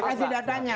saya kasih datanya